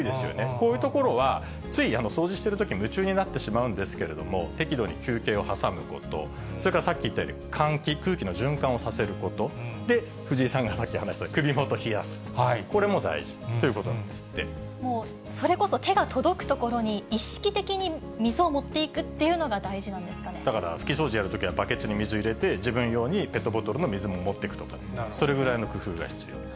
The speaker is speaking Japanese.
こういう所はつい掃除してるとき、夢中になってしまうんですけれども、適度に休憩を挟むこと、それからさっき言ったように換気、空気の循環をさせること、藤井さんがさっき話した首元冷やす、これも大事ということなんでもう、それこそ手が届く所に、意識的に水を持っていくというのが大事なだから、拭き掃除やるときは、バケツに水入れて、自分用にペットボトルの水も持っていくとか、それぐらいの工夫が必要。